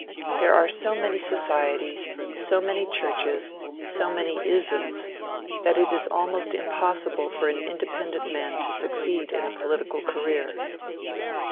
There are so many societies, so many churches, so many isms, that it is almost impossible for an independent man to succeed in a political career.